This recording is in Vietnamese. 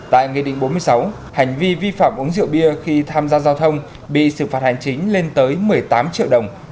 tại nghị định bốn mươi sáu hành vi vi phạm uống rượu bia khi tham gia giao thông bị xử phạt hành chính lên tới một mươi tám triệu đồng